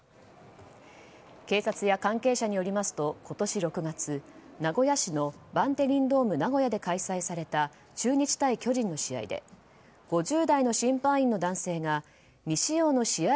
警察や関係者によりますと今年６月名古屋市のバンテリンドームナゴヤで開催された中日対巨人の試合で５０代の審判員の男性が未使用の試合